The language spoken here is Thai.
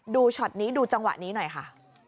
ช็อตนี้ดูจังหวะนี้หน่อยค่ะ